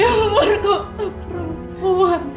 di luar kota perempuan